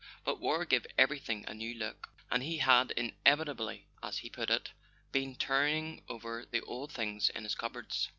But war gave every¬ thing a new look; and he had evidently, as he put it, been turning over the old things in his cupboards.